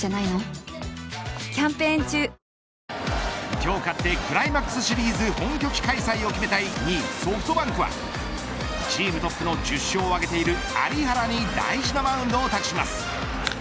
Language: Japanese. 今日勝ってクライマックスシリーズ本拠地開催を決めたい２位ソフトバンクはチームトップの１０勝を挙げている有原に大事なマウンドを託します。